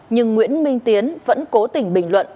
nhưng nguyễn minh tiến vẫn cố tình bình luận